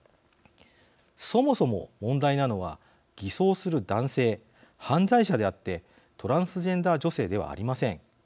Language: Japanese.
そもそも問題なのは偽装する男性犯罪者であってトランスジェンダー女性ではありません。